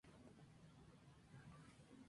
Es un animal estrictamente nocturno.